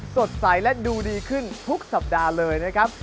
สดใสและดูดีขึ้นทุกสัปดาห์เลยนะครับ